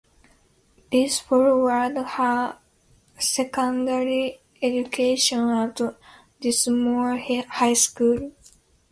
This followed her secondary education at Lismore High School.